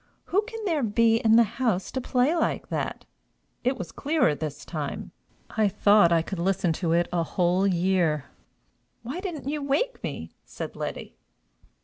Who can there be in the house to play like that? It was clearer this time. I thought I could listen to it a whole year." "Why didn't you wake me?" said Letty.